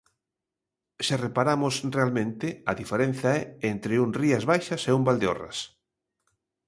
Se reparamos, realmente a diferenza é entre un Rías Baixas e un Valdeorras.